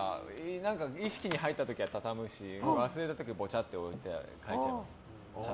意識に入った時は畳むし忘れた時はごちゃっと置いて帰っちゃいます。